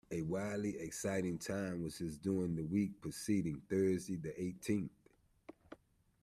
A wildly exciting time was his during the week preceding Thursday the eighteenth.